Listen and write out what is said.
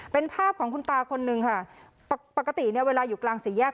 เป็นภาพของคุณตาคนนึงค่ะปกติเนี่ยเวลาอยู่กลางสี่แยก